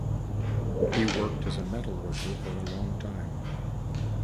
He worked as a metal worker for a long time.